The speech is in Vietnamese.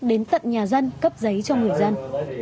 đến tận nhà dân cấp giấy cho người dân